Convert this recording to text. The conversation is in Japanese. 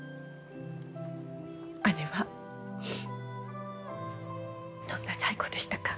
姉はどんな最期でしたか？